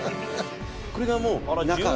これがもう中？